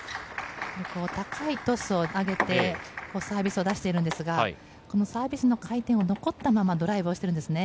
高いトスを上げて、サービスを出しているんですが、サービスの回転が残ったままドライブをしているんですね。